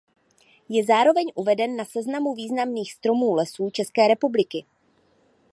Je zároveň uveden na seznamu významných stromů Lesů České republiky.